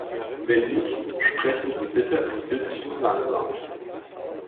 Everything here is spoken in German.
Wenn nicht, sprechen Sie bitte ein bisschen langsamer.